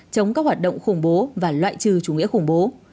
chống các hoạt động khủng bố và loại trừ chủ nghĩa khủng bố